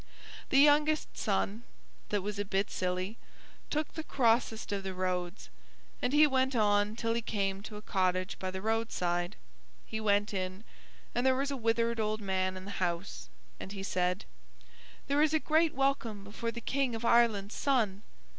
The youngest son, that was a bit silly, took the crossest of the roads, and he went on till he came to a cottage by the roadside. He went in, and there was a withered old man in the house, and he said: "There is a great welcome before the King of Ireland's son!"